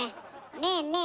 ねえねえ